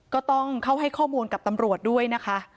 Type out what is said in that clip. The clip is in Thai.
ก็ต้องเข้าให้ข้อมูลกับตำรวจด้วยนะคะ